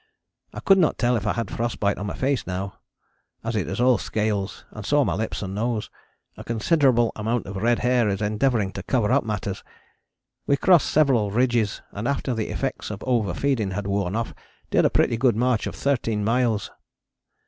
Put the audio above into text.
I could not tell if I had a frost bite on my face now, as it is all scales, so are my lips and nose. A considerable amount of red hair is endeavouring to cover up matters. We crossed several ridges, and after the effects of over feeding had worn off did a pretty good march of thirteen miles.